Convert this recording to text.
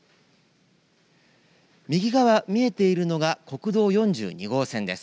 右側、見えているのが国道４２号線です。